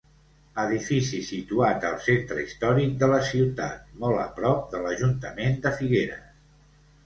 Edifici situat al centre històric de la ciutat, molt a prop de l'Ajuntament de Figueres.